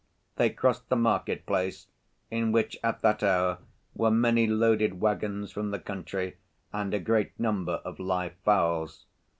They crossed the market‐place, in which at that hour were many loaded wagons from the country and a great number of live fowls.